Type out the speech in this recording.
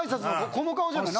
この顔じゃない？